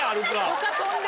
他とんで？